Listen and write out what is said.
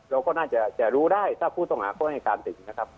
เราก็น่าจะรู้ได้ถ้าผู้ต้องหาเขาให้การถึงนะครับ